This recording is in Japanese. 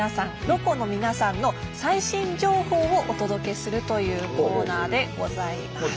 ロコの皆さんの最新情報をお届けするというコーナーでございます。